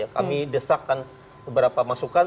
kami desakkan beberapa masukan